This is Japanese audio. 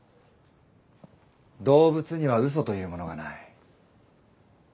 動物には嘘というものがない。